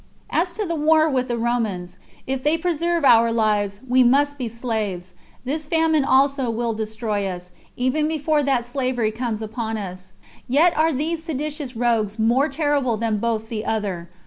As to the war with the Romans, if they preserve our lives, we must be slaves. This famine also will destroy us, even before that slavery comes upon us. Yet are these seditious rogues more terrible than both the other.